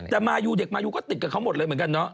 แต่มายูเด็กมายูก็ติดกับเขาหมดเลยเหมือนกันเนาะ